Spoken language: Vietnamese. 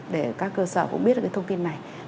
để các cơ sở cũng biết được cái thông tin này